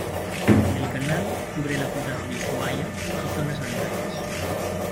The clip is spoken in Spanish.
El canal cubre la ciudad de Ushuaia y zonas aledañas.